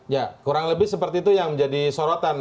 ya kurang lebih seperti itu yang menjadi sorotan